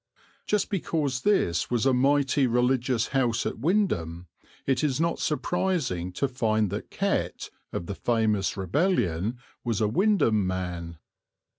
Just because this was a mighty religious house at Wymondham it is not surprising to find that Kett, of the famous rebellion, was a Wymondham man.